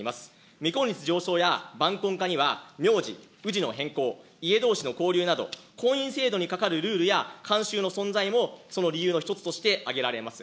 未婚率上昇や晩婚化には名字、うじの変更、家どうしの交流など、婚姻制度にかかるルールや慣習の存在もその理由の一つとして挙げられます。